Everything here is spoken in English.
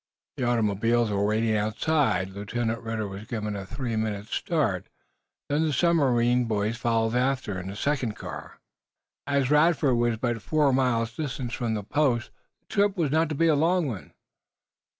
The automobiles were waiting outside. Lieutenant Ridder was given a three minutes' start. Then the submarine boys followed after, in a second car. As Radford was but four miles distant from the post the trip was not to be a long one.